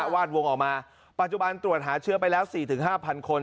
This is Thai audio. วาดวงออกมาปัจจุบันตรวจหาเชื้อไปแล้ว๔๕๐๐คน